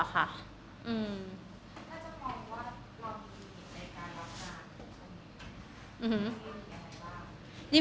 ถ้าจะมองว่าเรามีลิมิตในการรับงานใช่ไหม